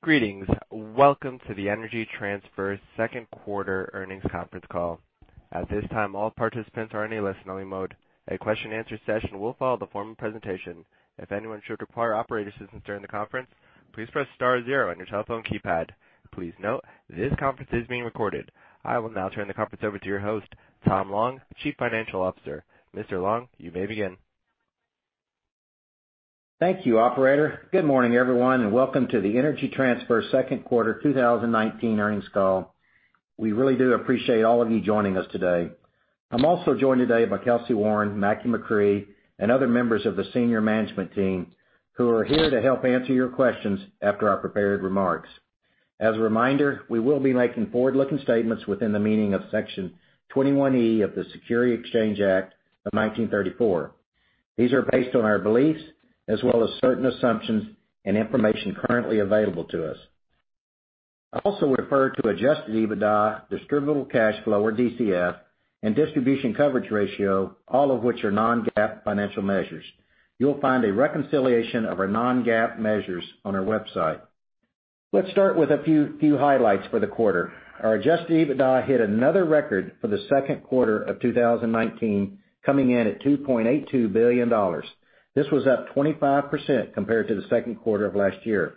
Greetings. Welcome to the Energy Transfer second quarter earnings conference call. At this time, all participants are in a listening mode. A question answer session will follow the formal presentation. If anyone should require operator assistance during the conference, please press star zero on your telephone keypad. Please note, this conference is being recorded. I will now turn the conference over to your host, Tom Long, Chief Financial Officer. Mr. Long, you may begin. Thank you, operator. Good morning, everyone, welcome to the Energy Transfer second quarter 2019 earnings call. We really do appreciate all of you joining us today. I'm also joined today by Kelcy Warren, Mackie McCrea, and other members of the senior management team who are here to help answer your questions after our prepared remarks. As a reminder, we will be making forward-looking statements within the meaning of Section 21E of the Securities Exchange Act of 1934. These are based on our beliefs as well as certain assumptions and information currently available to us. I also refer to Adjusted EBITDA, Distributable Cash Flow, or DCF, and Distribution Coverage Ratio, all of which are non-GAAP financial measures. You'll find a reconciliation of our non-GAAP measures on our website. Let's start with a few highlights for the quarter. Our Adjusted EBITDA hit another record for the second quarter of 2019, coming in at $2.82 billion. This was up 25% compared to the second quarter of last year.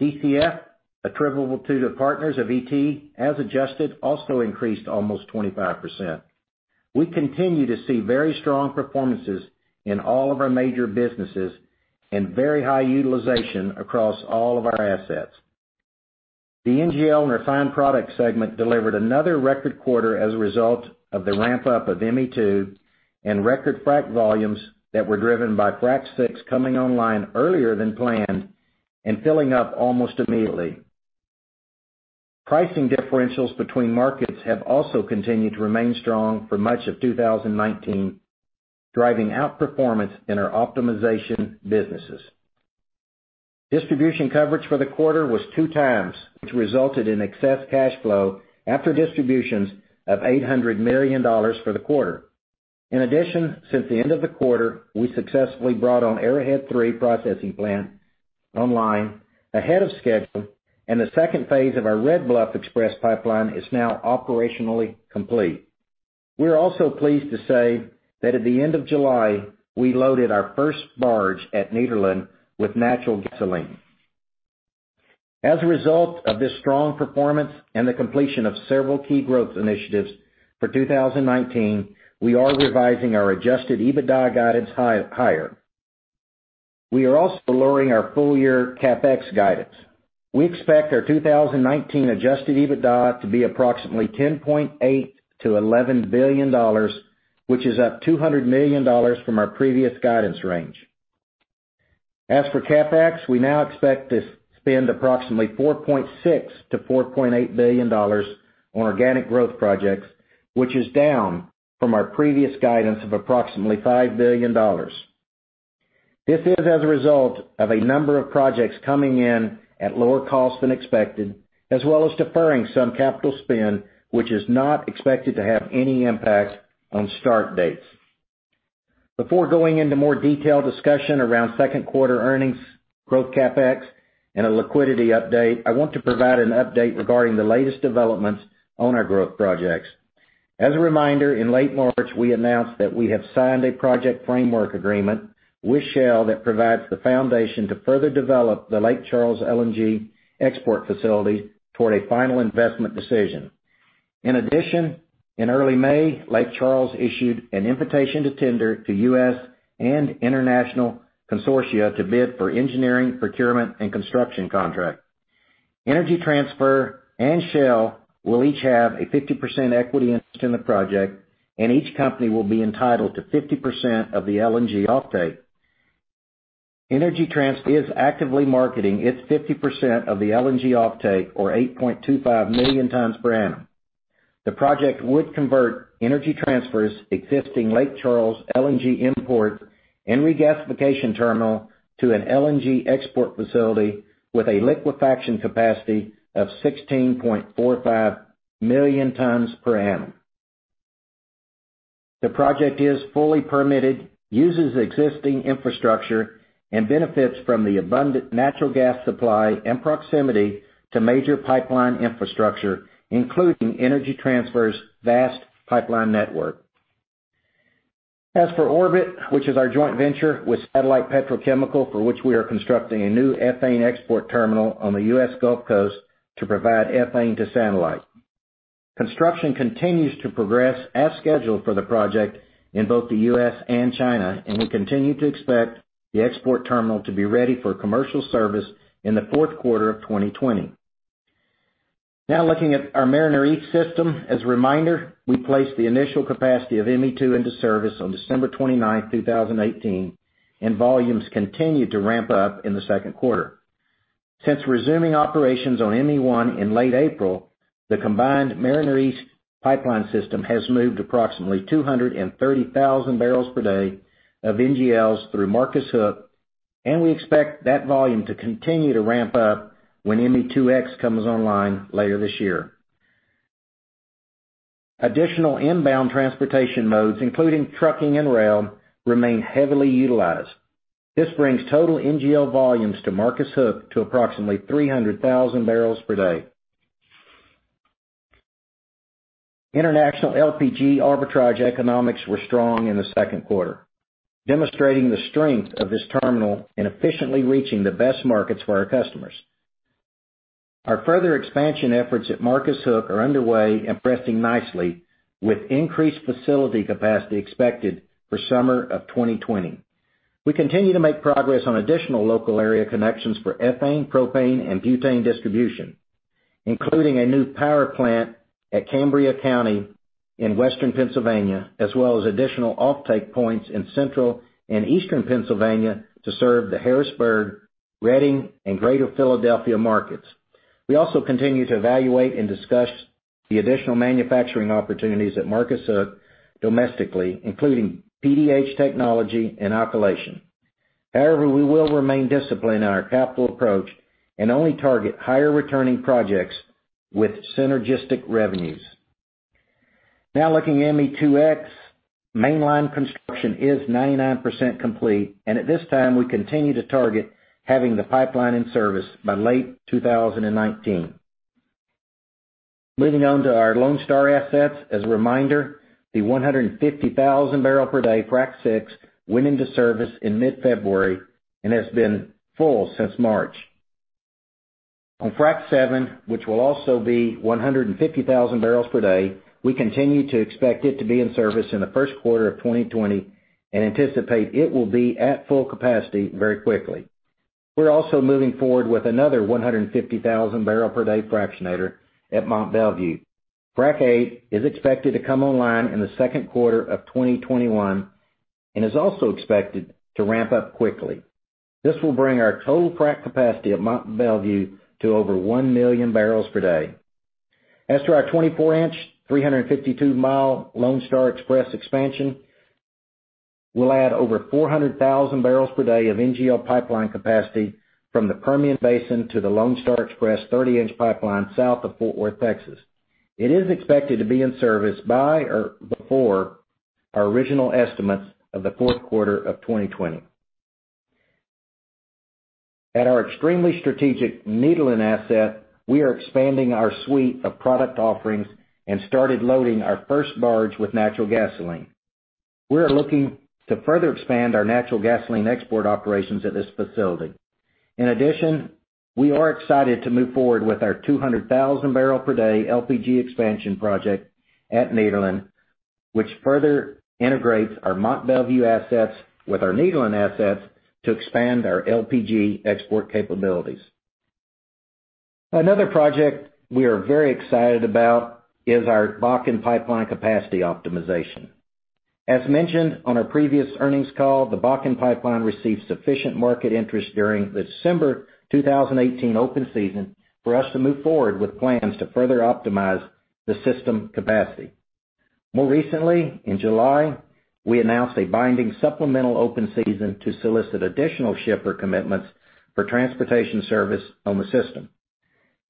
DCF attributable to the partners of ET as adjusted, also increased almost 25%. We continue to see very strong performances in all of our major businesses and very high utilization across all of our assets. The NGL refined product segment delivered another record quarter as a result of the ramp-up of ME2 and record frac volumes that were driven by Frac VI coming online earlier than planned and filling up almost immediately. Pricing differentials between markets have also continued to remain strong for much of 2019, driving outperformance in our optimization businesses. Distribution coverage for the quarter was two times, which resulted in excess cash flow after distributions of $800 million for the quarter. Since the end of the quarter, we successfully brought on Arrowhead III processing plant online ahead of schedule, and the second phase of our Red Bluff Express Pipeline is now operationally complete. We are also pleased to say that at the end of July, we loaded our first barge at Nederland with natural gasoline. This strong performance and the completion of several key growth initiatives for 2019, we are revising our Adjusted EBITDA guidance higher. We are also lowering our full-year CapEx guidance. We expect our 2019 Adjusted EBITDA to be approximately $10.8 billion-$11 billion, which is up $200 million from our previous guidance range. We now expect to spend approximately $4.6 billion-$4.8 billion on organic growth projects, which is down from our previous guidance of approximately $5 billion. This is as a result of a number of projects coming in at lower cost than expected, as well as deferring some capital spend, which is not expected to have any impact on start dates. Before going into more detailed discussion around second quarter earnings, growth CapEx, and a liquidity update, I want to provide an update regarding the latest developments on our growth projects. As a reminder, in late March, we announced that we have signed a project framework agreement with Shell that provides the foundation to further develop the Lake Charles LNG export facility toward a final investment decision. In addition, in early May, Lake Charles issued an invitation to tender to U.S. and international consortia to bid for engineering, procurement, and construction contract. Energy Transfer and Shell will each have a 50% equity interest in the project, and each company will be entitled to 50% of the LNG offtake. Energy Transfer is actively marketing its 50% of the LNG offtake, or 8.25 million tons per annum. The project would convert Energy Transfer's existing Lake Charles LNG import and regasification terminal to an LNG export facility with a liquefaction capacity of 16.45 million tons per annum. The project is fully permitted, uses existing infrastructure, and benefits from the abundant natural gas supply and proximity to major pipeline infrastructure, including Energy Transfer's vast pipeline network. As for Orbit, which is our joint venture with Satellite Petrochemical, for which we are constructing a new ethane export terminal on the U.S. Gulf Coast to provide ethane to Satellite. Construction continues to progress as scheduled for the project in both the U.S. and China. We continue to expect the export terminal to be ready for commercial service in the fourth quarter of 2020. Now, looking at our Mariner East system, as a reminder, we placed the initial capacity of ME2 into service on December 29th, 2018. Volumes continued to ramp up in the second quarter. Since resuming operations on ME1 in late April, the combined Mariner East pipeline system has moved approximately 230,000 barrels per day of NGLs through Marcus Hook. We expect that volume to continue to ramp up when ME2X comes online later this year. Additional inbound transportation modes, including trucking and rail, remain heavily utilized. This brings total NGL volumes to Marcus Hook to approximately 300,000 barrels per day. International LPG arbitrage economics were strong in the second quarter, demonstrating the strength of this terminal in efficiently reaching the best markets for our customers. Our further expansion efforts at Marcus Hook are underway and progressing nicely, with increased facility capacity expected for summer of 2020. We continue to make progress on additional local area connections for ethane, propane, and butane distribution, including a new power plant at Cambria County in Western Pennsylvania, as well as additional offtake points in Central and Eastern Pennsylvania to serve the Harrisburg, Reading, and Greater Philadelphia markets. We also continue to evaluate and discuss the additional manufacturing opportunities at Marcus Hook domestically, including PDH Technology and alkylation. We will remain disciplined in our capital approach and only target higher-returning projects with synergistic revenues. Now looking at ME2X, mainline construction is 99% complete, and at this time, we continue to target having the pipeline in service by late 2019. Moving on to our Lone Star assets. As a reminder, the 150,000 barrel per day Fractionator VI went into service in mid-February and has been full since March. On Fractionator VII, which will also be 150,000 barrels per day, we continue to expect it to be in service in the first quarter of 2020 and anticipate it will be at full capacity very quickly. We're also moving forward with another 150,000 barrel per day fractionator at Mont Belvieu. Fractionator VIII is expected to come online in the second quarter of 2021 and is also expected to ramp up quickly. This will bring our total frac capacity at Mont Belvieu to over 1 million barrels per day. As to our 24-inch, 352-mile Lone Star Express expansion, we'll add over 400,000 barrels per day of NGL pipeline capacity from the Permian Basin to the Lone Star Express 30-inch pipeline south of Fort Worth, Texas. It is expected to be in service by or before our original estimates of the fourth quarter of 2020. At our extremely strategic Nederland asset, we are expanding our suite of product offerings and started loading our first barge with natural gasoline. We are looking to further expand our natural gasoline export operations at this facility. We are excited to move forward with our 200,000 barrel per day LPG expansion project at Nederland, which further integrates our Mont Belvieu assets with our Nederland assets to expand our LPG export capabilities. Another project we are very excited about is our Bakken Pipeline capacity optimization. As mentioned on our previous earnings call, the Bakken Pipeline received sufficient market interest during the December 2018 open season for us to move forward with plans to further optimize the system capacity. More recently, in July, we announced a binding supplemental open season to solicit additional shipper commitments for transportation service on the system.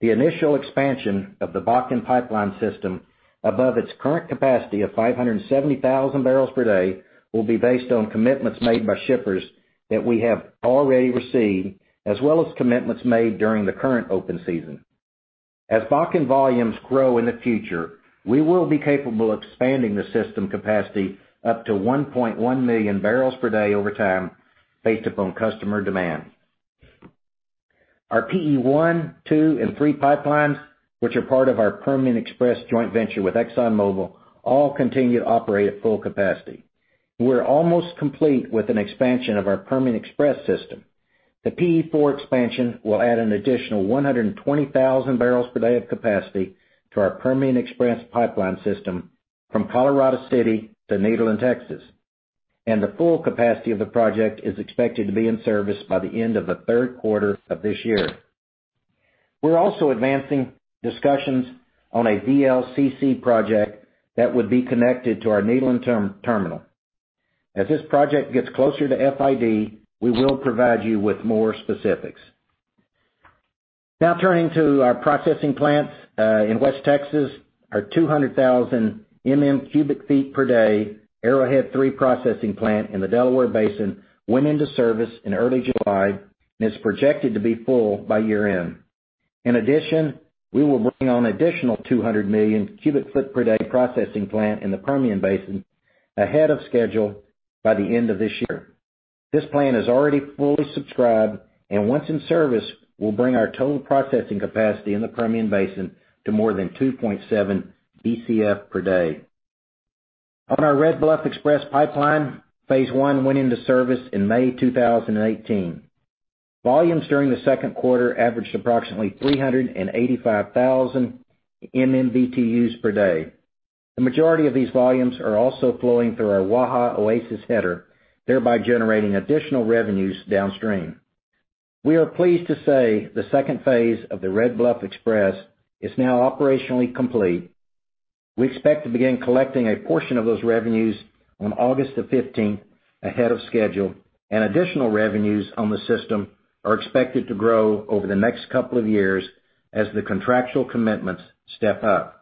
The initial expansion of the Bakken Pipeline system above its current capacity of 570,000 barrels per day will be based on commitments made by shippers that we have already received, as well as commitments made during the current open season. As Bakken volumes grow in the future, we will be capable of expanding the system capacity up to 1.1 million barrels per day over time based upon customer demand. Our PE 1, 2, and 3 pipelines, which are part of our Permian Express joint venture with ExxonMobil, all continue to operate at full capacity. We're almost complete with an expansion of our Permian Express system. The PE4 expansion will add an additional 120,000 barrels per day of capacity to our Permian Express pipeline system from Colorado City to Nederland, Texas, and the full capacity of the project is expected to be in service by the end of the third quarter of this year. We're also advancing discussions on a VLCC project that would be connected to our Nederland terminal. As this project gets closer to FID, we will provide you with more specifics. Now turning to our processing plants in West Texas, our 200,000 MM cubic feet per day Arrowhead III processing plant in the Delaware Basin went into service in early July and is projected to be full by year-end. In addition, we will bring on additional 200 million cubic foot per day processing plant in the Permian Basin ahead of schedule by the end of this year. This plant is already fully subscribed and once in service, will bring our total processing capacity in the Permian Basin to more than 2.7 BCF per day. On our Red Bluff Express Pipeline, phase 1 went into service in May 2018. Volumes during the second quarter averaged approximately 385,000 MMBtu per day. The majority of these volumes are also flowing through our Waha Oasis header, thereby generating additional revenues downstream. We are pleased to say the second phase of the Red Bluff Express is now operationally complete. We expect to begin collecting a portion of those revenues on August 15th ahead of schedule and additional revenues on the system are expected to grow over the next couple of years as the contractual commitments step up.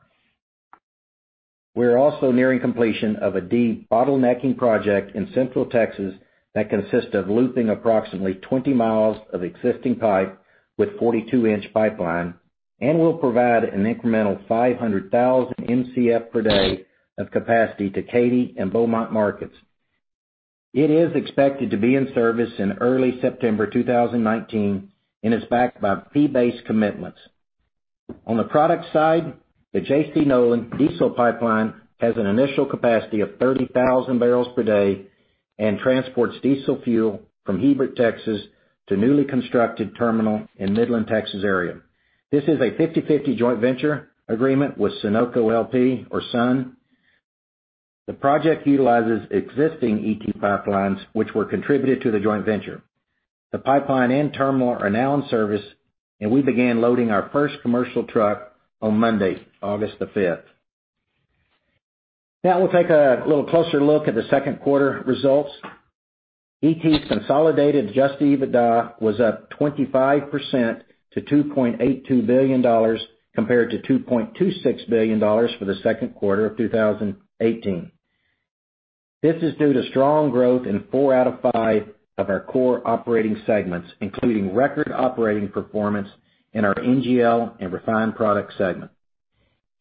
We're also nearing completion of a deep bottlenecking project in Central Texas that consists of looping approximately 20 miles of existing pipe with 42-inch pipeline, and will provide an incremental 500,000 Mcf per day of capacity to Katy and Beaumont markets. It is expected to be in service in early September 2019, and is backed by fee-based commitments. On the product side, the JC Nolan Pipeline has an initial capacity of 30,000 barrels per day and transports diesel fuel from Hebbronville, Texas, to newly constructed terminal in Midland, Texas, area. This is a 50/50 joint venture agreement with Sunoco LP or SUN. The project utilizes existing ET pipelines, which were contributed to the joint venture. The pipeline and terminal are now in service, and we began loading our first commercial truck on Monday, August the 5th. We'll take a little closer look at the second quarter results. ET's consolidated Adjusted EBITDA was up 25% to $2.82 billion compared to $2.26 billion for the second quarter of 2018. This is due to strong growth in four out of five of our core operating segments, including record operating performance in our NGL and refined products segment.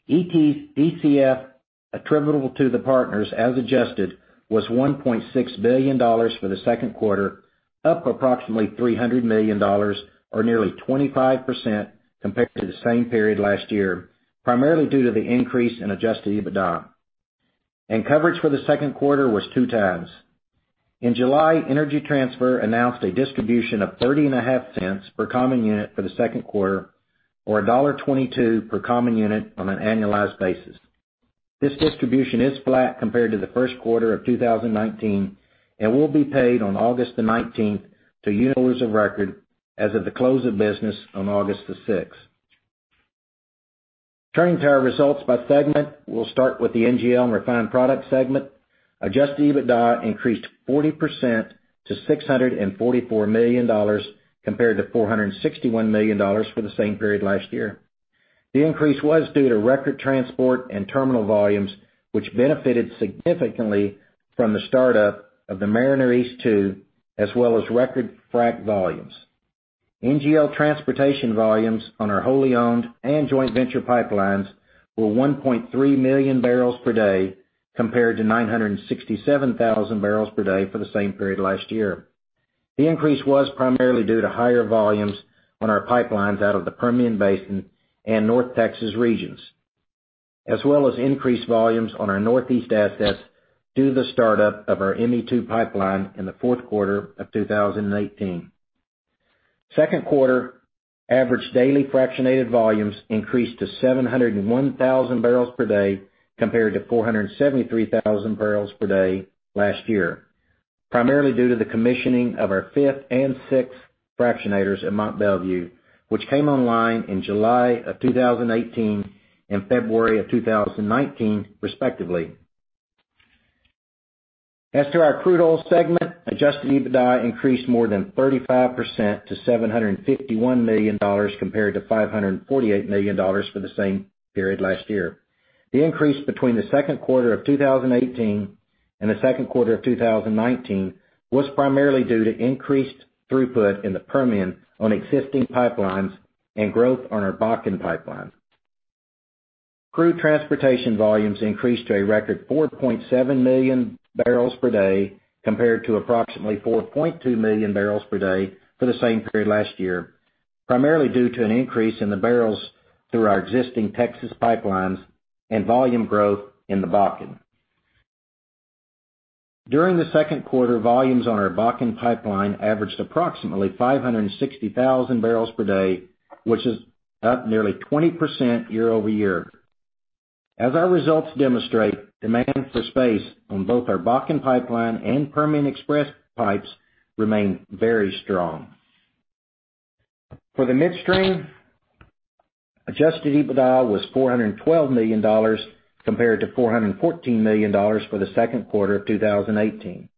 ET's DCF attributable to the partners as adjusted was $1.6 billion for the second quarter, up approximately $300 million or nearly 25% compared to the same period last year, primarily due to the increase in Adjusted EBITDA. Coverage for the second quarter was two times. In July, Energy Transfer announced a distribution of 30 and a half cents per common unit for the second quarter, or $1.22 per common unit on an annualized basis. This distribution is flat compared to the first quarter of 2019 and will be paid on August the 19th to unitholders of record as of the close of business on August the 6th. Turning to our results by segment, we'll start with the NGL and refined products segment. Adjusted EBITDA increased 40% to $644 million, compared to $461 million for the same period last year. The increase was due to record transport and terminal volumes, which benefited significantly from the start-up of the Mariner East 2, as well as record frac volumes. NGL transportation volumes on our wholly owned and joint venture pipelines were 1.3 million barrels per day, compared to 967,000 barrels per day for the same period last year. The increase was primarily due to higher volumes on our pipelines out of the Permian Basin and North Texas regions, as well as increased volumes on our Northeast assets due to the start-up of our Mariner East 2 pipeline in the fourth quarter of 2018. Second quarter average daily fractionated volumes increased to 701,000 barrels per day, compared to 473,000 barrels per day last year, primarily due to the commissioning of our fifth and sixth fractionators at Mont Belvieu, which came online in July of 2018 and February of 2019, respectively. As to our crude oil segment, Adjusted EBITDA increased more than 35% to $751 million compared to $548 million for the same period last year. The increase between the second quarter of 2018 and the second quarter of 2019 was primarily due to increased throughput in the Permian on existing pipelines and growth on our Bakken Pipeline. Crude transportation volumes increased to a record 4.7 million barrels per day compared to approximately 4.2 million barrels per day for the same period last year, primarily due to an increase in the barrels through our existing Texas pipelines and volume growth in the Bakken. During the second quarter, volumes on our Bakken Pipeline averaged approximately 560,000 barrels per day, which is up nearly 20% year-over-year. As our results demonstrate, demand for space on both our Bakken Pipeline and Permian Express pipes remain very strong. For the midstream, Adjusted EBITDA was $412 million compared to $414 million for the second quarter of 2018.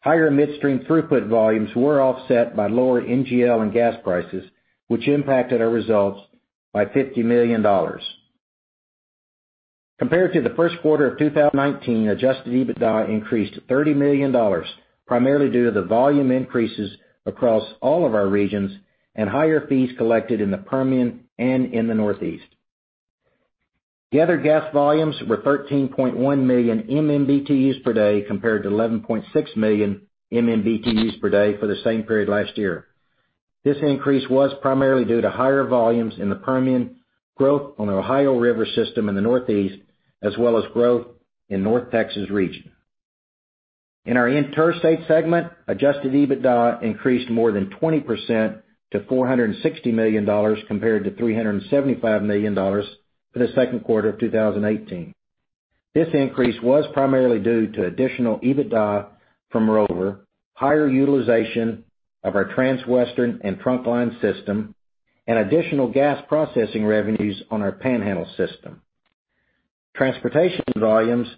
Higher midstream throughput volumes were offset by lower NGL and gas prices, which impacted our results by $50 million. Compared to the first quarter of 2019, Adjusted EBITDA increased to $30 million, primarily due to the volume increases across all of our regions and higher fees collected in the Permian and in the Northeast. The other gas volumes were 13.1 million MMBtus per day, compared to 11.6 million MMBtus per day for the same period last year. This increase was primarily due to higher volumes in the Permian, growth on the Ohio River system in the Northeast, as well as growth in North Texas region. In our interstate segment, Adjusted EBITDA increased more than 20% to $460 million compared to $375 million for the second quarter of 2018. This increase was primarily due to additional EBITDA from Rover, higher utilization of our Transwestern and Trunkline system, and additional gas processing revenues on our Panhandle system. Transportation volumes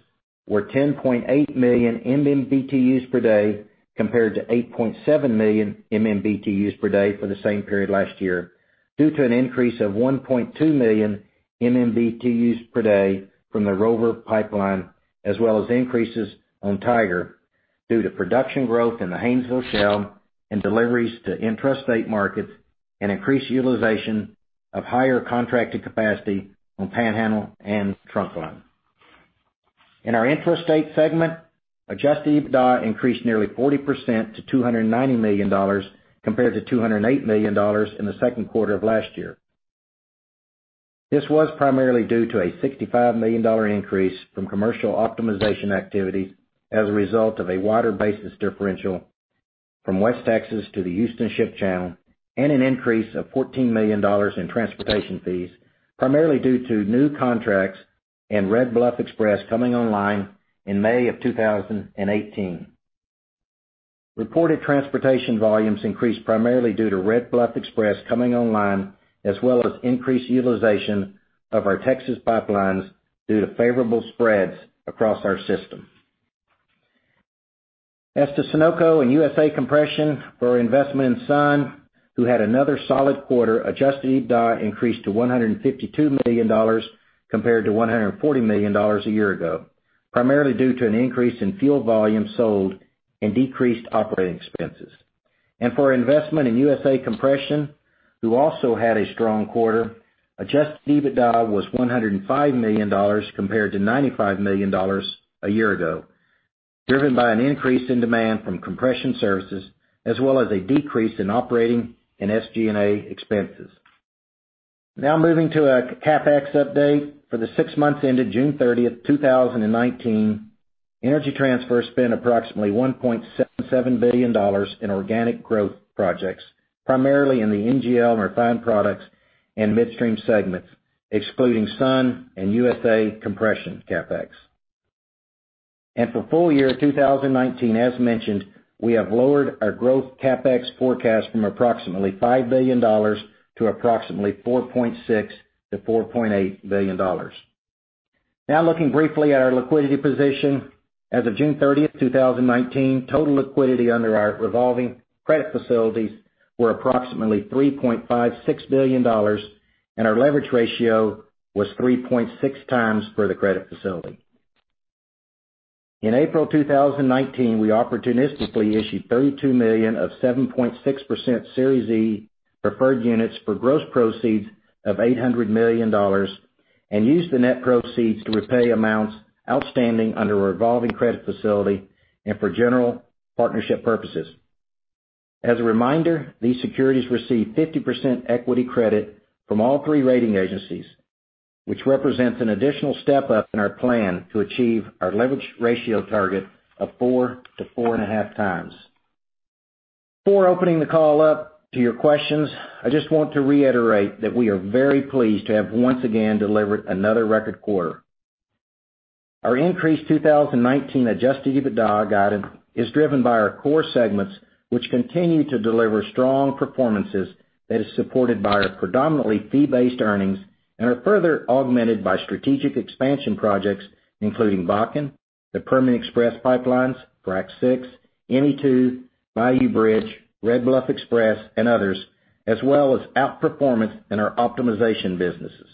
were 10.8 million MMBtu per day, compared to 8.7 million MMBtu per day for the same period last year, due to an increase of 1.2 million MMBtu per day from the Rover Pipeline, as well as increases on Tiger due to production growth in the Haynesville Shale and deliveries to intrastate markets and increased utilization of higher contracted capacity on Panhandle and Trunkline. In our intrastate segment, Adjusted EBITDA increased nearly 40% to $290 million, compared to $208 million in the second quarter of last year. This was primarily due to a $65 million increase from commercial optimization activity as a result of a wider basis differential from West Texas to the Houston Ship Channel, and an increase of $14 million in transportation fees, primarily due to new contracts and Red Bluff Express coming online in May of 2018. Reported transportation volumes increased primarily due to Red Bluff Express coming online, as well as increased utilization of our Texas pipelines due to favorable spreads across our system. As to Sunoco and USA Compression for our investment in SUN, who had another solid quarter, Adjusted EBITDA increased to $152 million compared to $140 million a year ago, primarily due to an increase in fuel volume sold and decreased operating expenses. For investment in USA Compression, who also had a strong quarter, Adjusted EBITDA was $105 million compared to $95 million a year ago, driven by an increase in demand from compression services as well as a decrease in operating and SG&A expenses. Moving to a CapEx update. For the six months ended June 30th, 2019, Energy Transfer spent approximately $1.77 billion in organic growth projects, primarily in the NGL and refined products and midstream segments, excluding SUN and USA Compression CapEx. For full year 2019, as mentioned, we have lowered our growth CapEx forecast from approximately $5 billion to approximately $4.6 billion-$4.8 billion. Looking briefly at our liquidity position. As of June 30th, 2019, total liquidity under our revolving credit facilities were approximately $3.56 billion, and our leverage ratio was 3.6 times for the credit facility. In April 2019, we opportunistically issued 32 million of 7.6% Series E preferred units for gross proceeds of $800 million and used the net proceeds to repay amounts outstanding under a revolving credit facility and for general partnership purposes. As a reminder, these securities received 50% equity credit from all three rating agencies, which represents an additional step up in our plan to achieve our leverage ratio target of four to four and a half times. Before opening the call up to your questions, I just want to reiterate that we are very pleased to have once again delivered another record quarter. Our increased 2019 Adjusted EBITDA guidance is driven by our core segments, which continue to deliver strong performances that is supported by our predominantly fee-based earnings and are further augmented by strategic expansion projects, including Bakken, the Permian Express pipelines, Frac VI, ME2, Bayou Bridge, Red Bluff Express, and others, as well as outperformance in our optimization businesses.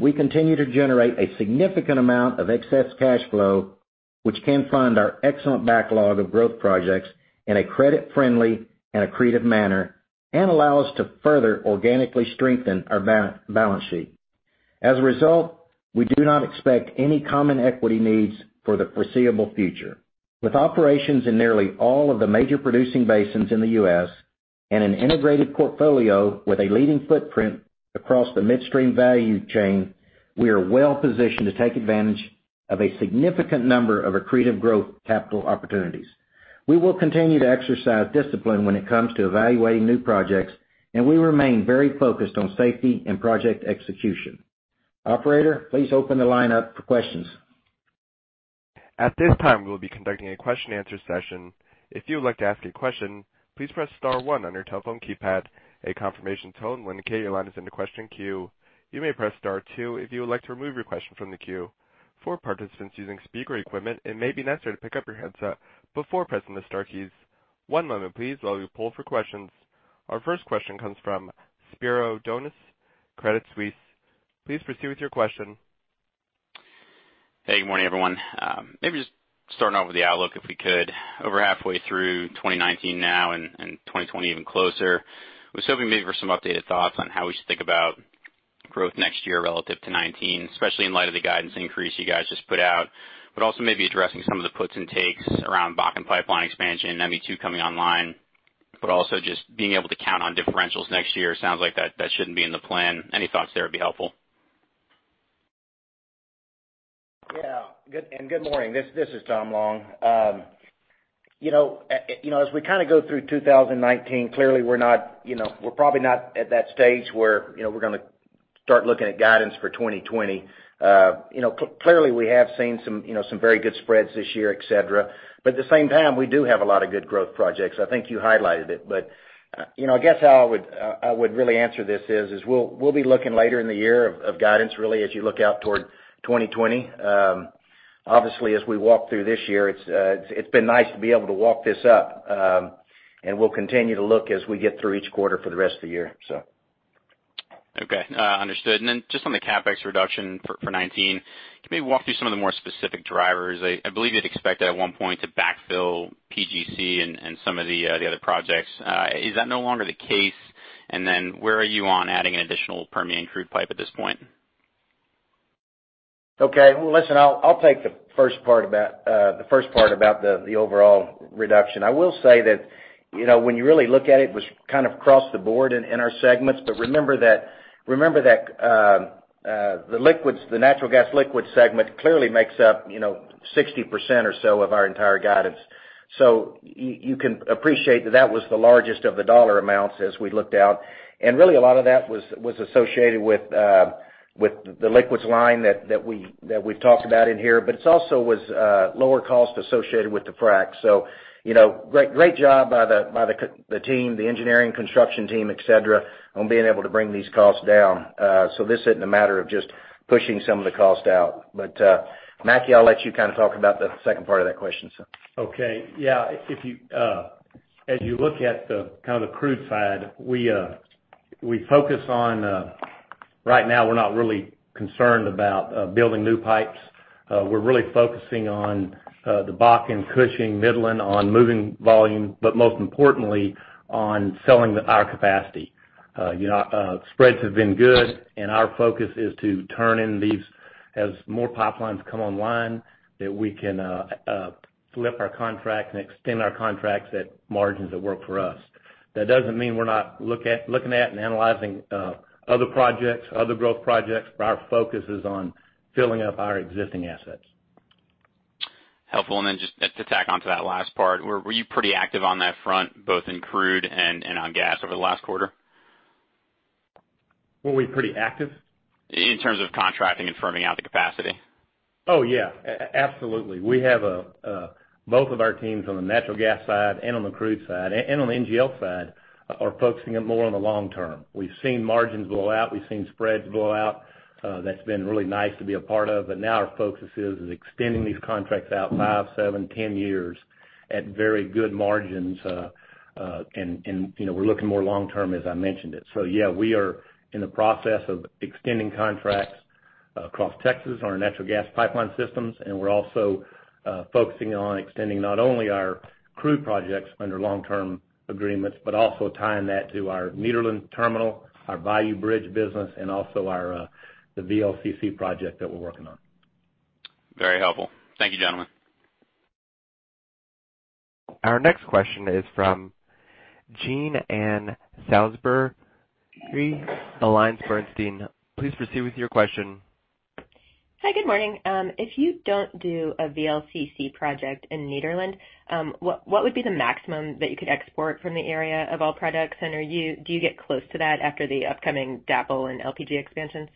We continue to generate a significant amount of excess cash flow, which can fund our excellent backlog of growth projects in a credit-friendly and accretive manner and allow us to further organically strengthen our balance sheet. We do not expect any common equity needs for the foreseeable future. With operations in nearly all of the major producing basins in the U.S. and an integrated portfolio with a leading footprint across the midstream value chain, we are well positioned to take advantage of a significant number of accretive growth capital opportunities. We will continue to exercise discipline when it comes to evaluating new projects, and we remain very focused on safety and project execution. Operator, please open the line up for questions. At this time, we will be conducting a question and answer session. If you would like to ask a question, please press *1 on your telephone keypad. A confirmation tone will indicate your line is in the question queue. You may press *2 if you would like to remove your question from the queue. For participants using speaker equipment, it may be necessary to pick up your headset before pressing the * keys. One moment please while we poll for questions. Our first question comes from Spiro Dounis, Credit Suisse. Please proceed with your question. Hey, good morning, everyone. Just starting off with the outlook, if we could. Over halfway through 2019 now and 2020 even closer, I was hoping maybe for some updated thoughts on how we should think about growth next year relative to 2019, especially in light of the guidance increase you guys just put out. Also maybe addressing some of the puts and takes around Bakken Pipeline expansion and ME2 coming online, but also just being able to count on differentials next year. Sounds like that shouldn't be in the plan. Any thoughts there would be helpful. Yeah. Good morning. This is Tom Long. As we kind of go through 2019, clearly we're probably not at that stage where we're going to start looking at guidance for 2020. Clearly, we have seen some very good spreads this year, et cetera. At the same time, we do have a lot of good growth projects. I think you highlighted it. I guess how I would really answer this is, we'll be looking later in the year of guidance, really, as you look out toward 2020. Obviously, as we walk through this year, it's been nice to be able to walk this up. We'll continue to look as we get through each quarter for the rest of the year. Okay. Understood. Just on the CapEx reduction for 2019, can you maybe walk through some of the more specific drivers? I believe you'd expected at one point to backfill PGC and some of the other projects. Is that no longer the case? Where are you on adding an additional Permian crude pipe at this point? Okay. Well, listen, I'll take the first part about the overall reduction. I will say that when you really look at it was kind of across the board in our segments. Remember that the natural gas liquids segment clearly makes up 60% or so of our entire guidance. You can appreciate that was the largest of the dollar amounts as we looked out. Really a lot of that was associated with the liquids line that we've talked about in here, but it's also was lower cost associated with the frack. Great job by the team, the engineering construction team, et cetera, on being able to bring these costs down. This isn't a matter of just pushing some of the cost out. Mackie, I'll let you kind of talk about the second part of that question. Okay. Yeah. As you look at the kind of the crude side, right now we're not really concerned about building new pipes. We're really focusing on the Bakken, Cushing, Midland on moving volume, but most importantly on selling our capacity. Spreads have been good and our focus is to turn in these as more pipelines come online, that we can flip our contracts and extend our contracts at margins that work for us. That doesn't mean we're not looking at and analyzing other projects, other growth projects, but our focus is on filling up our existing assets. Helpful. Just to tack onto that last part, were you pretty active on that front, both in crude and on gas over the last quarter? Were we pretty active? In terms of contracting and firming out the capacity. Yeah. Absolutely. Both of our teams on the natural gas side and on the crude side and on the NGL side are focusing it more on the long term. We've seen margins blow out. We've seen spreads blow out. That's been really nice to be a part of. Now our focus is extending these contracts out five, seven, 10 years at very good margins. We're looking more long term as I mentioned it. Yeah, we are in the process of extending contracts across Texas on our natural gas pipeline systems. We're also focusing on extending not only our crude projects under long-term agreements, but also tying that to our Nederland terminal, our Bayou Bridge business, and also the VLCC project that we're working on. Very helpful. Thank you, gentlemen. Our next question is from Jean Ann Salisbury, AllianceBernstein. Please proceed with your question. Hi. Good morning. If you don't do a VLCC project in Nederland, what would be the maximum that you could export from the area of all products? Do you get close to that after the upcoming DAPL and LPG expansions?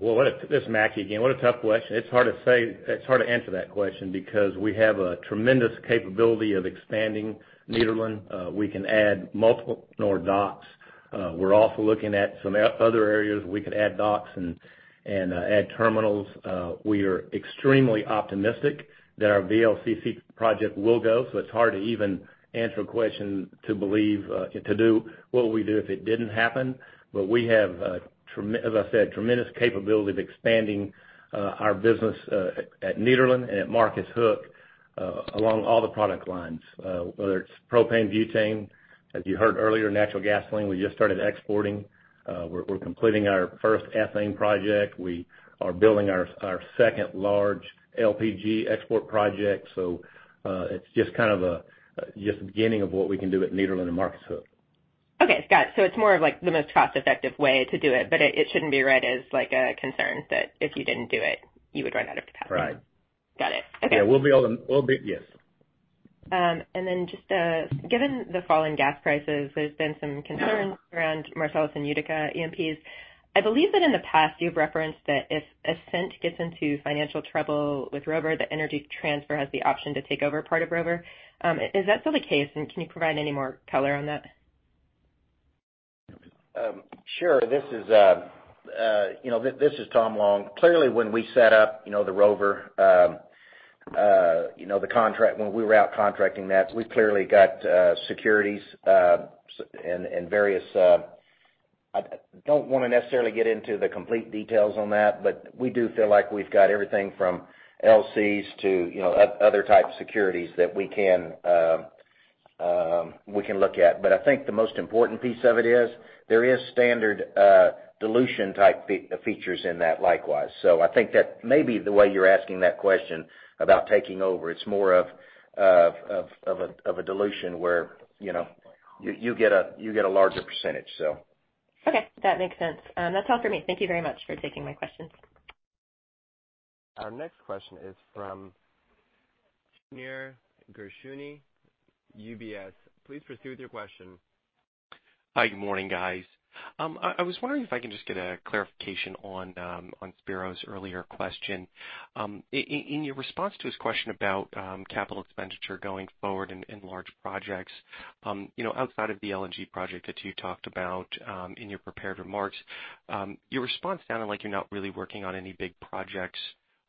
Well, this is Mackie again. What a tough question. It's hard to answer that question because we have a tremendous capability of expanding Nederland. We can add multiple more docks. We're also looking at some other areas we could add docks and add terminals. We are extremely optimistic that our VLCC project will go, so it's hard to even answer a question to believe, to do what would we do if it didn't happen. We have, as I said, tremendous capability of expanding our business at Nederland and at Marcus Hook along all the product lines, whether it's propane, butane. As you heard earlier, natural gas, gasoline, we just started exporting. We're completing our first ethane project. We are building our second large LPG export project. It's just the beginning of what we can do at Nederland and Marcus Hook. Okay. Got it. It's more of the most cost-effective way to do it, but it shouldn't be read as a concern that if you didn't do it, you would run out of capacity. Right. Got it. Okay. Yeah. Yes. Just given the fall in gas prices, there's been some concerns around Marcellus and Utica E&Ps. I believe that in the past you've referenced that if Ascent gets into financial trouble with Rover, that Energy Transfer has the option to take over part of Rover. Is that still the case, and can you provide any more color on that? Sure. This is Tom Long. Clearly when we set up the Rover, when we were out contracting that, we clearly got securities. I don't want to necessarily get into the complete details on that, but we do feel like we've got everything from LCs to other types of securities that we can look at. I think the most important piece of it is there is standard dilution type features in that likewise. I think that maybe the way you're asking that question about taking over, it's more of a dilution where you get a larger percentage. Okay. That makes sense. That's all for me. Thank you very much for taking my questions. Our next question is from Shneur Gershuni, UBS. Please proceed with your question. Hi, good morning, guys. I was wondering if I can just get a clarification on Spiro's earlier question. In your response to his question about capital expenditure going forward in large projects, outside of the LNG project that you talked about in your prepared remarks, your response sounded like you're not really working on any big projects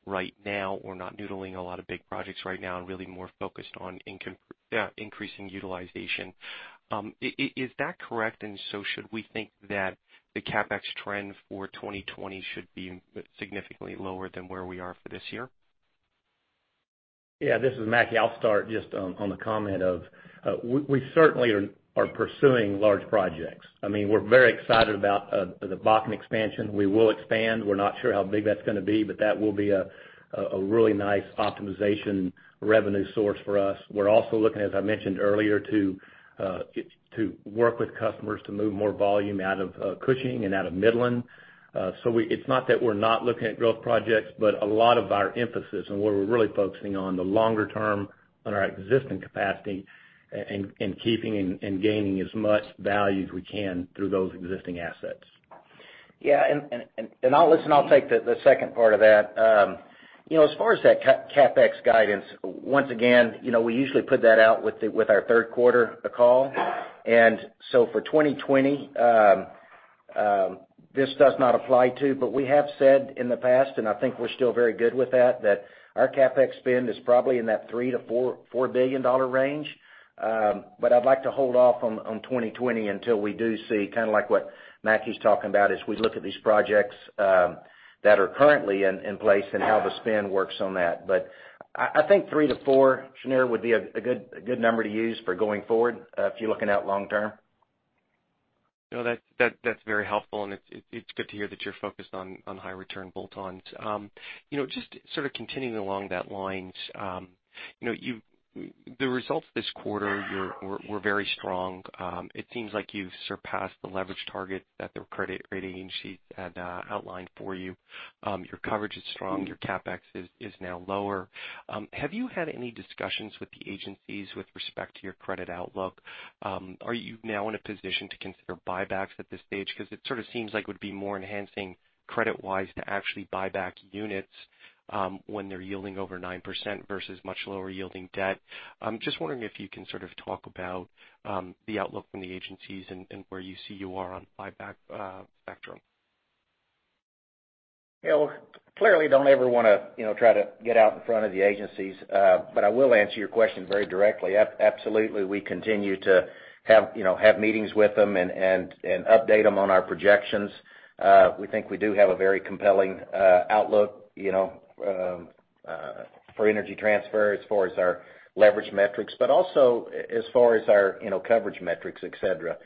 right now or not noodling a lot of big projects right now and really more focused on increasing utilization. Is that correct, and so should we think that the CapEx trend for 2020 should be significantly lower than where we are for this year? Yeah, this is Mackie. I'll start just on the comment of, we certainly are pursuing large projects. We're very excited about the Bakken expansion. We will expand. We're not sure how big that's going to be, but that will be a really nice optimization revenue source for us. We're also looking, as I mentioned earlier, to work with customers to move more volume out of Cushing and out of Midland. It's not that we're not looking at growth projects, but a lot of our emphasis and where we're really focusing on the longer term on our existing capacity and keeping and gaining as much value as we can through those existing assets. Yeah, listen, I'll take the second part of that. As far as that CapEx guidance, once again, we usually put that out with our third quarter call. For 2020, this does not apply to. We have said in the past, I think we're still very good with that our CapEx spend is probably in that $3 billion-$4 billion range. I'd like to hold off on 2020 until we do see, kind of like what Mackie's talking about, as we look at these projects that are currently in place and how the spend works on that. I think three to four, Shneur, would be a good number to use for going forward if you're looking out long term. No, that's very helpful, and it's good to hear that you're focused on high return bolt-ons. Just sort of continuing along that line. The results this quarter were very strong. It seems like you've surpassed the leverage target that the credit rating agencies had outlined for you. Your coverage is strong. Your CapEx is now lower. Have you had any discussions with the agencies with respect to your credit outlook? Are you now in a position to consider buybacks at this stage? It sort of seems like it would be more enhancing credit-wise to actually buy back units when they're yielding over 9% versus much lower yielding debt. I'm just wondering if you can sort of talk about the outlook from the agencies and where you see you are on buyback spectrum. Well, clearly don't ever want to try to get out in front of the agencies. I will answer your question very directly. Absolutely, we continue to have meetings with them and update them on our projections. We think we do have a very compelling outlook for Energy Transfer as far as our leverage metrics, but also as far as our coverage metrics, et cetera.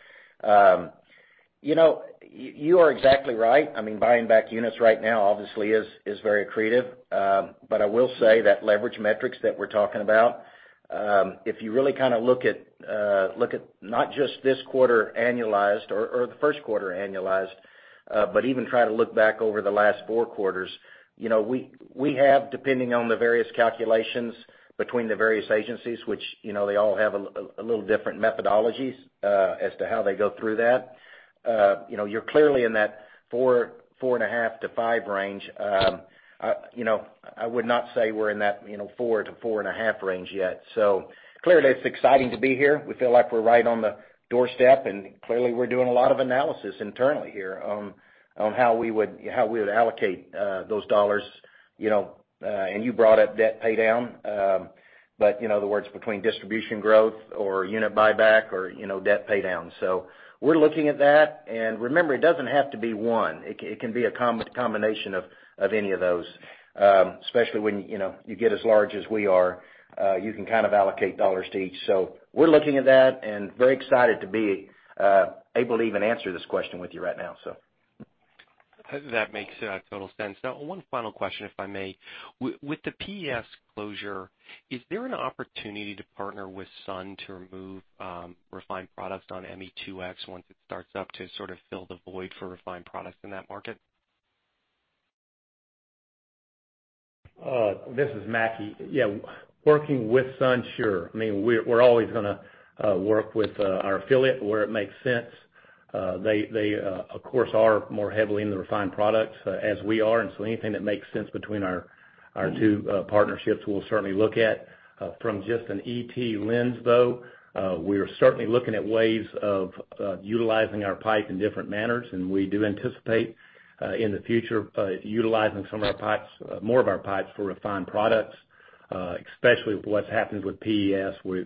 You are exactly right. Buying back units right now obviously is very accretive. I will say that leverage metrics that we're talking about, if you really kind of look at not just this quarter annualized or the first quarter annualized, but even try to look back over the last four quarters. We have, depending on the various calculations between the various agencies, which they all have a little different methodologies as to how they go through that. You're clearly in that four and a half to five range. I would not say we're in that four to four and a half range yet. Clearly it's exciting to be here. We feel like we're right on the doorstep, and clearly we're doing a lot of analysis internally here on how we would allocate those dollars. You brought up debt pay down. The words between distribution growth or unit buyback or debt pay down. We're looking at that, and remember, it doesn't have to be one. It can be a combination of any of those. Especially when you get as large as we are, you can kind of allocate dollars to each. We're looking at that and very excited to be able to even answer this question with you right now. That makes total sense. One final question, if I may. With the PES closure, is there an opportunity to partner with Sun to remove refined products on ME2X once it starts up to sort of fill the void for refined products in that market? This is Mackie. Yeah, working with Sun, sure. We're always going to work with our affiliate where it makes sense. They of course, are more heavily in the refined products as we are. Anything that makes sense between our two partnerships, we'll certainly look at. From just an ET lens, though, we are certainly looking at ways of utilizing our pipe in different manners. We do anticipate in the future utilizing some of our pipes, more of our pipes for refined products. Especially with what's happened with PES. We're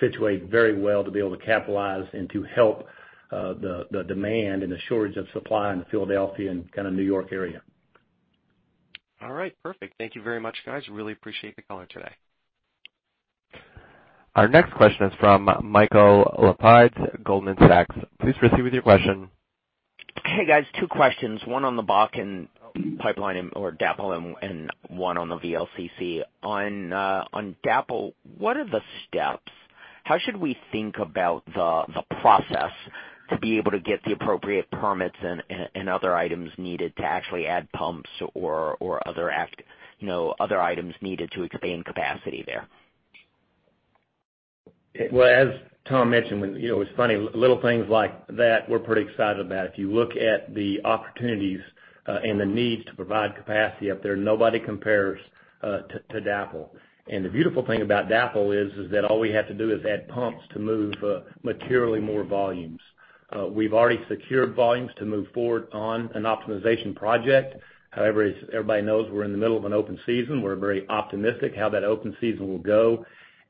situated very well to be able to capitalize and to help the demand and the shortage of supply in the Philadelphia and kind of New York area. All right. Perfect. Thank you very much, guys. Really appreciate the color today. Our next question is from Michael Lapides, Goldman Sachs. Please proceed with your question. Hey, guys, two questions, one on the Bakken Pipeline or DAPL and one on the VLCC. On DAPL, what are the steps? How should we think about the process to be able to get the appropriate permits and other items needed to actually add pumps or other items needed to obtain capacity there. As Tom mentioned, it's funny, little things like that, we're pretty excited about. If you look at the opportunities and the needs to provide capacity up there, nobody compares to DAPL. The beautiful thing about DAPL is that all we have to do is add pumps to move materially more volumes. We've already secured volumes to move forward on an optimization project. However, as everybody knows, we're in the middle of an open season. We're very optimistic how that open season will go,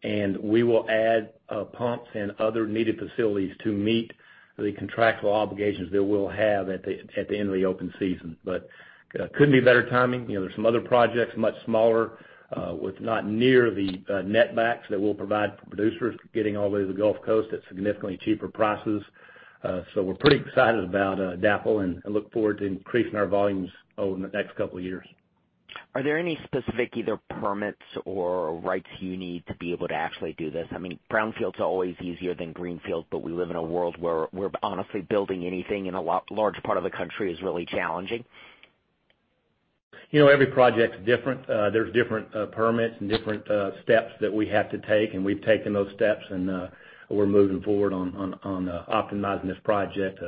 and we will add pumps and other needed facilities to meet the contractual obligations that we'll have at the end of the open season. Couldn't be better timing. There's some other projects, much smaller, with not near the net backs that we'll provide for producers getting all the way to the Gulf Coast at significantly cheaper prices. We're pretty excited about DAPL and look forward to increasing our volumes over the next couple of years. Are there any specific either permits or rights you need to be able to actually do this? Brownfields are always easier than greenfields, we live in a world where honestly building anything in a large part of the country is really challenging. Every project's different. There's different permits and different steps that we have to take, and we've taken those steps, and we're moving forward on optimizing this project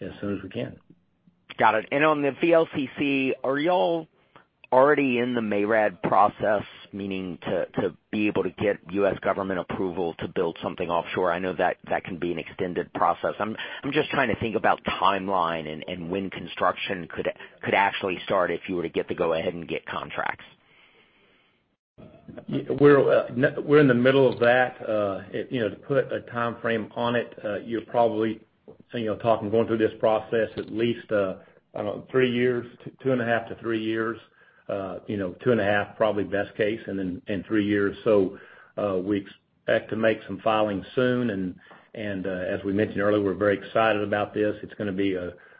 as soon as we can. Got it. On the VLCC, are y'all already in the MARAD process, meaning to be able to get U.S. government approval to build something offshore? I know that can be an extended process. I'm just trying to think about timeline and when construction could actually start if you were to get the go ahead and get contracts. We're in the middle of that. To put a timeframe on it, you're probably talking, going through this process at least, I don't know, 2.5 to 3 years. 2.5, probably best case, and then 3 years. We expect to make some filings soon and, as we mentioned earlier, we're very excited about this. It's going to be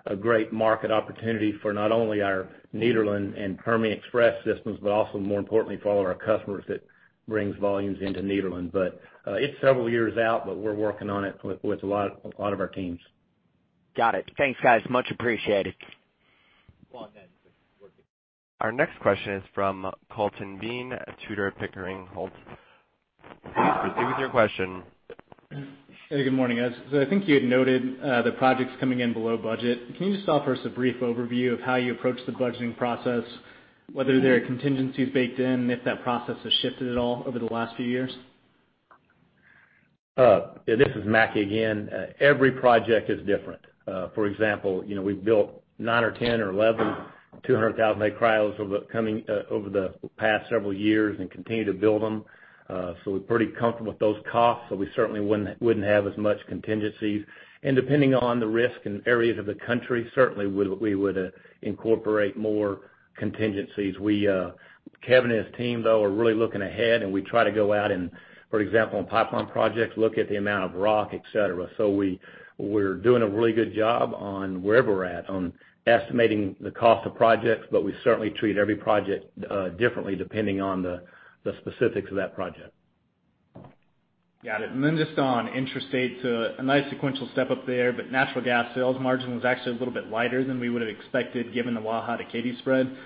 a great market opportunity for not only our Nederland and Permian Express systems, but also more importantly for all of our customers that brings volumes into Nederland. It's several years out, but we're working on it with a lot of our teams. Got it. Thanks, guys. Much appreciated. Our next question is from Colton Bean, Tudor, Pickering, Holt & Co. Please proceed with your question. Hey, good morning, guys. I think you had noted the projects coming in below budget. Can you just offer us a brief overview of how you approach the budgeting process, whether there are contingencies baked in, if that process has shifted at all over the last few years? This is Mackie again. Every project is different. For example, we've built nine or 10 or 11 200,000 acre cryos over the past several years and continue to build them. We're pretty comfortable with those costs, so we certainly wouldn't have as much contingencies. Depending on the risk in areas of the country, certainly we would incorporate more contingencies. Kevin and his team, though, are really looking ahead, and we try to go out and, for example, on pipeline projects, look at the amount of rock, et cetera. We're doing a really good job on where we're at on estimating the cost of projects, but we certainly treat every project differently depending on the specifics of that project. Got it. Just on intrastate, a nice sequential step up there, but natural gas sales margin was actually a little bit lighter than we would've expected given the Waha to Katy spread.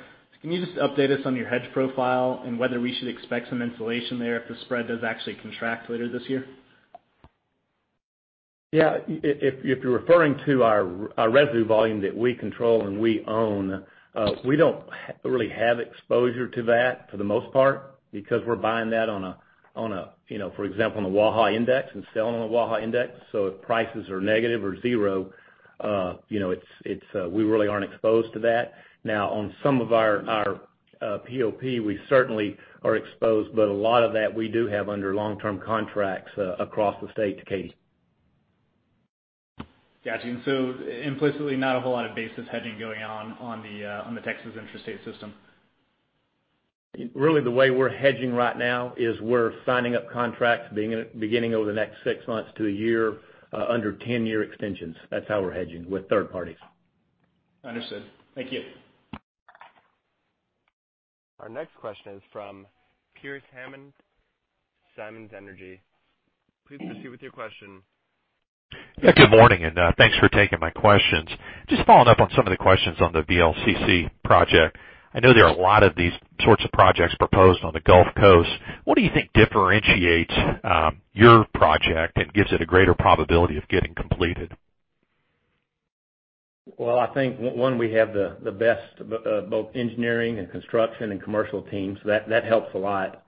Can you just update us on your hedge profile and whether we should expect some insulation there if the spread does actually contract later this year? Yeah. If you're referring to our residue volume that we control and we own, we don't really have exposure to that for the most part because we're buying that on a, for example, on a Waha index and selling on a Waha index. If prices are negative or zero, we really aren't exposed to that. Now, on some of our POP, we certainly are exposed, but a lot of that we do have under long-term contracts across the state to Katy. Got you. Implicitly, not a whole lot of basis hedging going on the Texas intrastate system. Really the way we're hedging right now is we're signing up contracts beginning over the next six months to a year under 10-year extensions. That's how we're hedging with third parties. Understood. Thank you. Our next question is from Pearce Hammond, Simmons Energy. Please proceed with your question. Yeah, good morning. Thanks for taking my questions. Just following up on some of the questions on the VLCC project. I know there are a lot of these sorts of projects proposed on the Gulf Coast. What do you think differentiates your project and gives it a greater probability of getting completed? Well, I think, one, we have the best both engineering and construction and commercial teams. That helps a lot.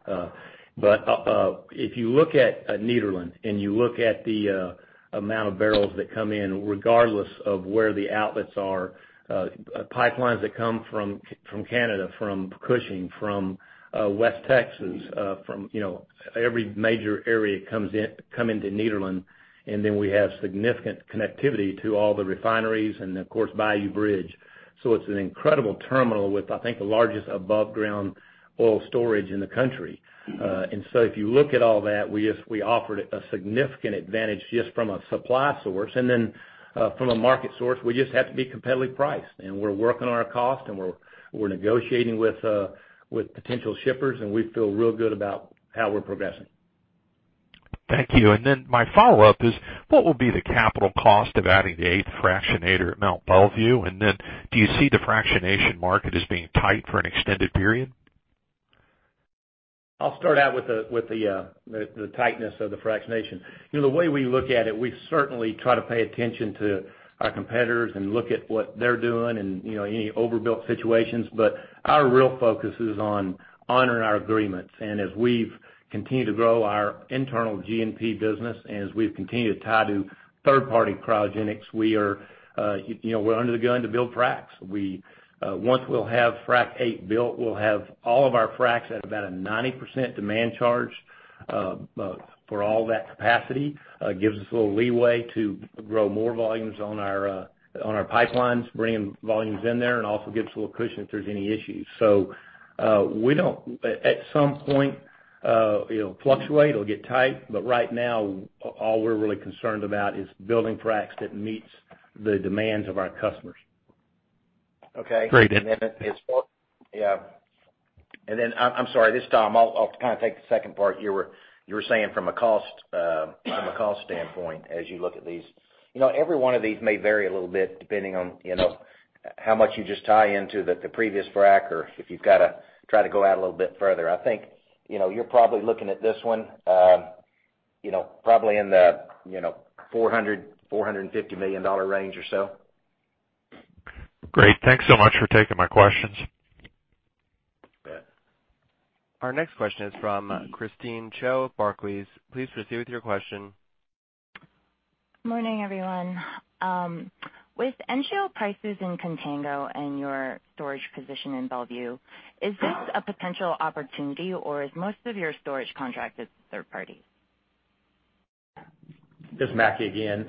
If you look at Nederland and you look at the amount of barrels that come in, regardless of where the outlets are, pipelines that come from Canada, from Cushing, from West Texas, from every major area come into Nederland, and then we have significant connectivity to all the refineries and, of course, Bayou Bridge. It's an incredible terminal with, I think, the largest above ground oil storage in the country. If you look at all that, we offered a significant advantage just from a supply source. From a market source, we just have to be competitively priced. We're working on our cost, and we're negotiating with potential shippers, and we feel real good about how we're progressing. Thank you. My follow-up is, what will be the capital cost of adding the eighth fractionator at Mont Belvieu? Do you see the fractionation market as being tight for an extended period? I'll start out with the tightness of the fractionation. The way we look at it, we certainly try to pay attention to our competitors and look at what they're doing and any overbuilt situations. Our real focus is on honoring our agreements. As we've continued to grow our internal NGL business and as we've continued to tie to third-party cryogenics, we're under the gun to build fracs. Once we'll have Fractionator VIII built, we'll have all of our fracs at about a 90% demand charge for all that capacity. It gives us a little leeway to grow more volumes on our pipelines, bringing volumes in there, and also gives a little cushion if there's any issues. At some point, it'll fluctuate, it'll get tight. Right now, all we're really concerned about is building fracs that meets the demands of our customers. Okay. Great. Yeah. I'm sorry, This is Tom. I'll kind of take the second part. You were saying from a cost standpoint, as you look at these. Every one of these may vary a little bit depending on how much you just tie into the previous frac or if you've got to try to go out a little bit further. I think you're probably looking at this one in the $400,000,000-$450,000,000 range or so. Great. Thanks so much for taking my questions. Yeah. Our next question is from Christine Cho, Barclays. Please proceed with your question. Morning, everyone. With NGL prices in contango and your storage position in Belvieu, is this a potential opportunity or is most of your storage contracted third party? This is Mackie again.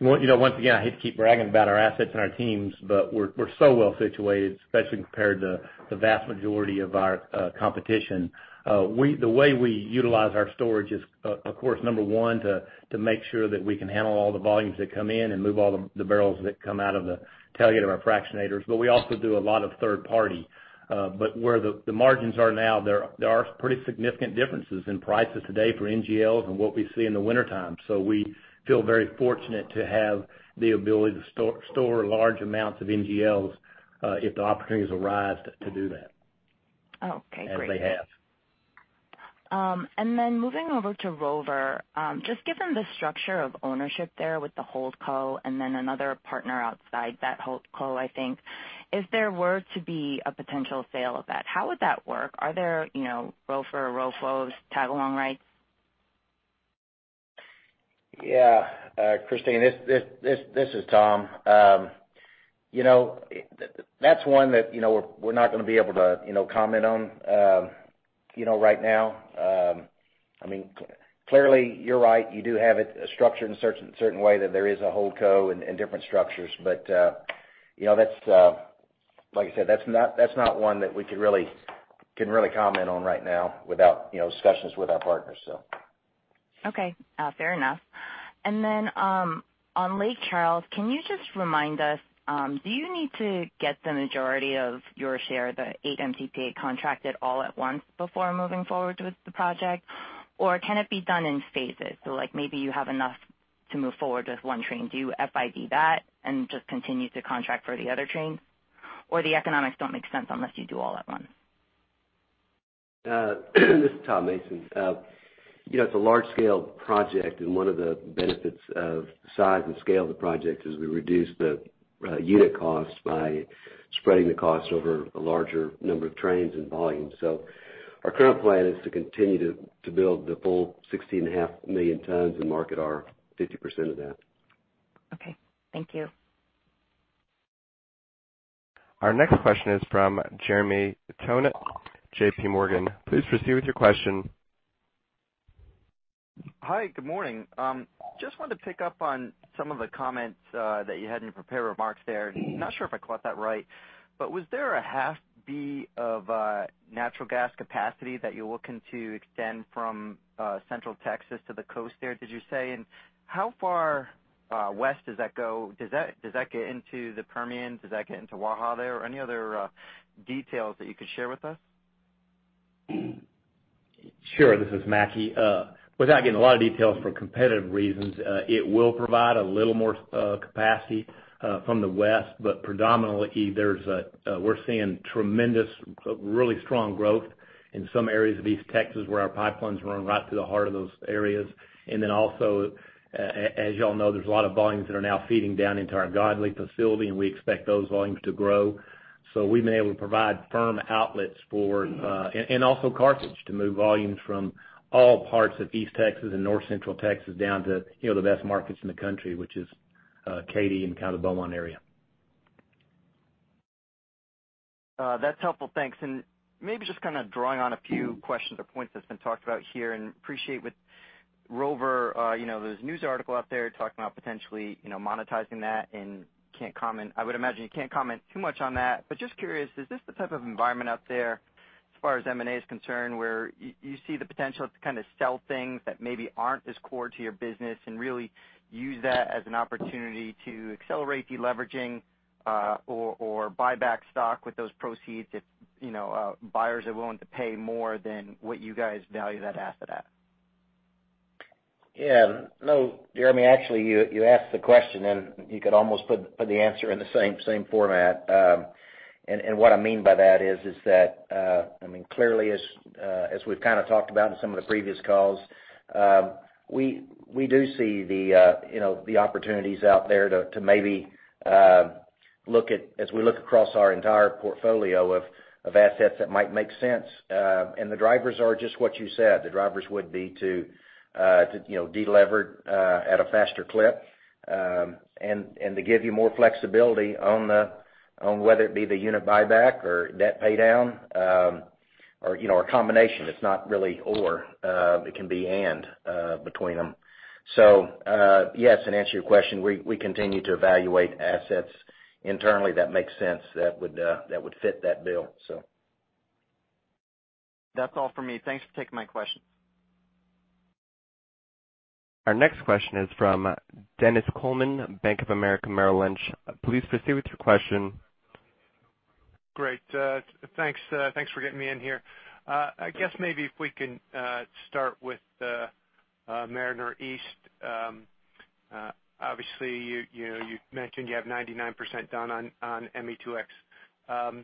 Once again, I hate to keep bragging about our assets and our teams, we're so well-situated, especially compared to the vast majority of our competition. The way we utilize our storage is, of course, number 1, to make sure that we can handle all the volumes that come in and move all the barrels that come out of the tailgate of our fractionators. We also do a lot of third party. Where the margins are now, there are pretty significant differences in prices today for NGLs and what we see in the wintertime. We feel very fortunate to have the ability to store large amounts of NGLs, if the opportunities arise to do that. Oh, okay, great. As they have. Moving over to Rover, just given the structure of ownership there with the holdco and then another partner outside that holdco. If there were to be a potential sale of that, how would that work? Are there Rover or ROFOs tag-along rights? Yeah. Christine, this is Tom. That's one that we're not going to be able to comment on right now. Clearly, you're right, you do have it structured in a certain way that there is a holdco and different structures. Like I said, that's not one that we can really comment on right now without discussions with our partners. Okay. Fair enough. Then on Lake Charles, can you just remind us, do you need to get the majority of your share, the 8 MTPA contracted all at once before moving forward with the project? Can it be done in phases? Maybe you have enough to move forward with 1 train. Do you FID that and just continue to contract for the other trains? The economics don't make sense unless you do all at once? This is Tom Mason. It's a large-scale project, and one of the benefits of the size and scale of the project is we reduce the unit cost by spreading the cost over a larger number of trains and volumes. So our current plan is to continue to build the full 16.5 million tons and market our 50% of that. Okay. Thank you. Our next question is from Jeremy Tonet, JPMorgan. Please proceed with your question. Hi, good morning. Just wanted to pick up on some of the comments that you had in your prepared remarks there. Not sure if I caught that right, but was there a half BCF of natural gas capacity that you're looking to extend from Central Texas to the coast there, did you say? How far west does that go? Does that get into the Permian? Does that get into Waha there? Any other details that you could share with us? Sure. This is Mackie. Without getting a lot of details for competitive reasons, it will provide a little more capacity from the west, but predominantly, we're seeing tremendous, really strong growth in some areas of East Texas where our pipelines run right through the heart of those areas. As you all know, there's a lot of volumes that are now feeding down into our Godley facility, and we expect those volumes to grow. We've been able to provide firm outlets and also Carthage to move volumes from all parts of East Texas and North Central Texas down to the best markets in the country, which is Katy and kind of Beaumont area. That's helpful. Thanks. Maybe just kind of drawing on a few questions or points that's been talked about here, and appreciate with Rover, there's a news article out there talking about potentially monetizing that and can't comment. I would imagine you can't comment too much on that. Just curious, is this the type of environment out there as far as M&A is concerned, where you see the potential to kind of sell things that maybe aren't as core to your business and really use that as an opportunity to accelerate deleveraging or buy back stock with those proceeds if buyers are willing to pay more than what you guys value that asset at? Yeah. No, Jeremy, actually, you asked the question, and you could almost put the answer in the same format. What I mean by that is that, clearly, as we've kind of talked about in some of the previous calls, we do see the opportunities out there to maybe look at, as we look across our entire portfolio of assets that might make sense. The drivers are just what you said. The drivers would be to de-lever at a faster clip, and to give you more flexibility on whether it'd be the unit buyback or debt paydown, or a combination. It's not really or, it can be and between them. Yes, and to answer your question, we continue to evaluate assets internally that make sense that would fit that bill. That's all for me. Thanks for taking my question. Our next question is from Dennis Coleman, Bank of America Merrill Lynch. Please proceed with your question. Great. Thanks for getting me in here. I guess maybe if we can start with Mariner East. Obviously, you mentioned you have 99% done on ME2X.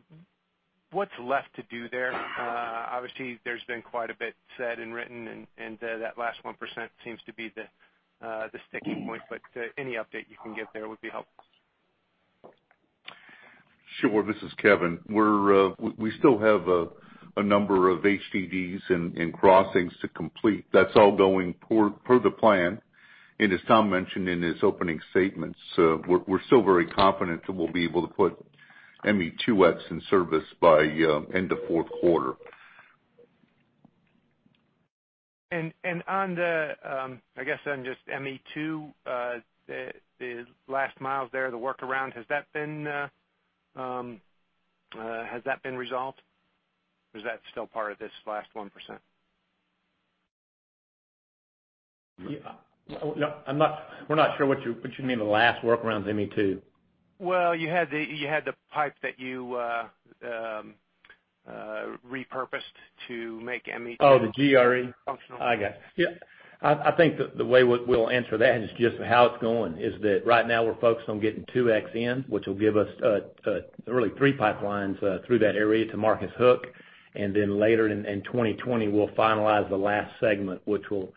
What's left to do there? Obviously, there's been quite a bit said and written, and that last 1% seems to be the sticking point, but any update you can give there would be helpful. Sure. This is Kevin. We still have a number of HDDs and crossings to complete. That's all going per the plan. As Tom mentioned in his opening statements, we're still very confident that we'll be able to put ME2X in service by end of fourth quarter. On the, I guess on just ME2, the last miles there, the workaround, has that been resolved? Is that still part of this last 1%? We're not sure what you mean, the last workarounds ME2. Well, you had the pipe that you repurposed to make ME2- Oh, the GRE? functional. I got it. I think the way we'll answer that is just how it's going, is that right now we're focused on getting 2X in, which will give us really three pipelines through that area to Marcus Hook. Later in 2020, we'll finalize the last segment, which will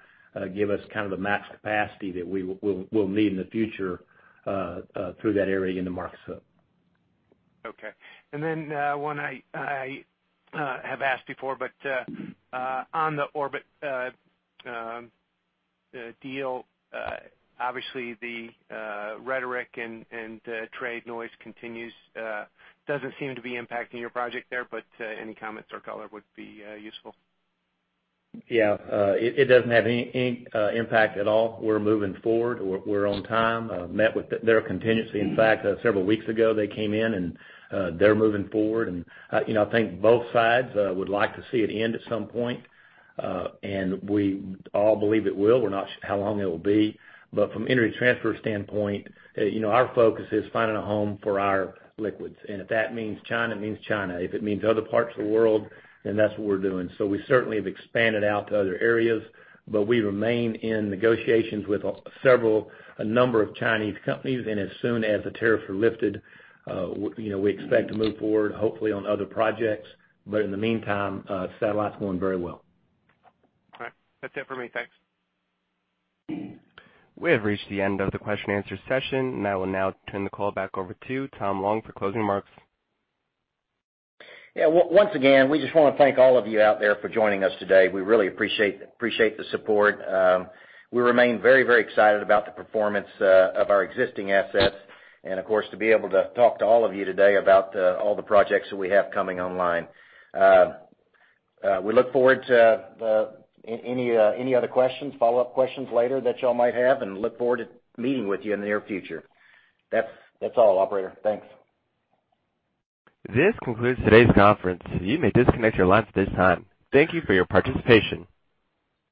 give us kind of the max capacity that we'll need in the future through that area into Marcus Hook. Okay. One I have asked before, on the Orbit deal, obviously the rhetoric and trade noise continues. Doesn't seem to be impacting your project there, any comments or color would be useful. It doesn't have any impact at all. We're moving forward. We're on time. Met with their contingency. In fact, several weeks ago they came in and they're moving forward. I think both sides would like to see it end at some point. We all believe it will. We're not sure how long it'll be. From Energy Transfer's standpoint, our focus is finding a home for our liquids. If that means China, it means China. If it means other parts of the world, then that's what we're doing. We certainly have expanded out to other areas, but we remain in negotiations with several, a number of Chinese companies. As soon as the tariffs are lifted, we expect to move forward, hopefully on other projects. In the meantime, Satellite's going very well. All right. That's it for me. Thanks. We have reached the end of the question and answer session. I will now turn the call back over to Tom Long for closing remarks. Yeah. Once again, we just want to thank all of you out there for joining us today. We really appreciate the support. We remain very excited about the performance of our existing assets, and of course, to be able to talk to all of you today about all the projects that we have coming online. We look forward to any other questions, follow-up questions later that y'all might have, and look forward to meeting with you in the near future. That's all, operator. Thanks. This concludes today's conference. You may disconnect your lines at this time. Thank you for your participation.